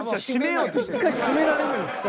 １回締められるんですか。